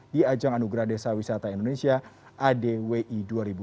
di ajang anugerah desa wisata indonesia adwi dua ribu dua puluh